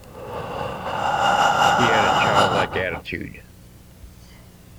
He had a childlike attitude.